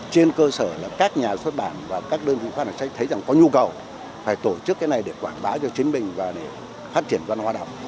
trên cơ sở là các nhà xuất bản và các đơn vị phát hành sách thấy rằng có nhu cầu phải tổ chức cái này để quảng bá cho chính mình và để phát triển văn hóa đọc